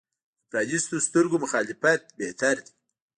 د پرانیستو سترګو مخالفت بهتر دی.